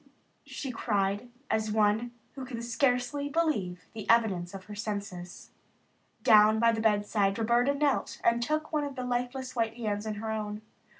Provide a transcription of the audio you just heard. she cried as one who can scarcely believe the evidence of her senses. Down by the bedside Roberta knelt and took one of the lifeless white hands in her own.